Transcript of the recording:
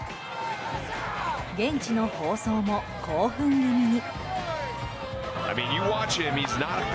現地の放送も興奮気味に。